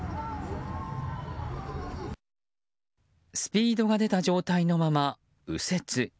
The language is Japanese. スピードが出た状態のまま右折。